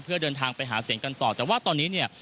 เพื่อเดินทางไปหาเสียงกันต่อแต่ว่าตอนนี้เนี่ย